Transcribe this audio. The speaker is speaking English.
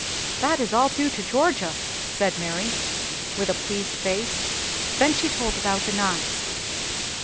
"That is all due to Georgia," said Mary, with a pleased face. Then she told about the knives.